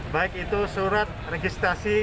baik itu surat registrasi